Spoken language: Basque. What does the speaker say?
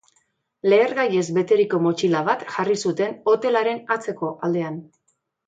Lehergaiez beteriko motxila bat jarri zuten hotelaren atzeko aldean.